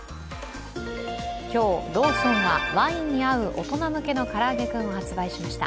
今日、ローソンがワインに合うからあげクンを発売しました。